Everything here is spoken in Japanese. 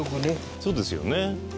そうですよね。